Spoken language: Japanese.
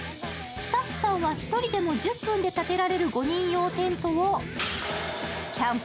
スタッフさんは１人でも１０分で立てられる５人用テントをキャンプ